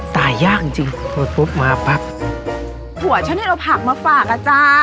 ตายยากจริงจริงพอตุ๊บมาปั๊บผัวฉันเนี่ยเอาผักมาฝากอ่ะจ้า